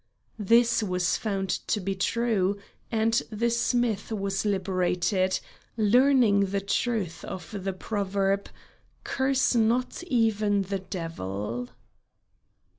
This was found to be true, and the smith was liberated, learning the truth of the proverb, 'Curse not even the devil.'